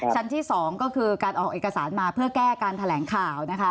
ชั้นที่๒ก็คือการออกเอกสารมาเพื่อแก้การแถลงข่าวนะคะ